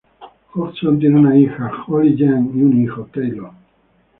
Hodgson tiene una hija Hollie-Jean y un hijo Taylor.